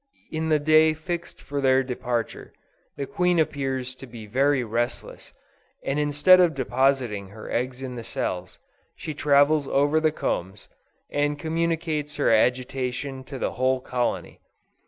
On the day fixed for their departure, the queen appears to be very restless, and instead of depositing her eggs in the cells, she travels over the combs, and communicates her agitation to the whole colony.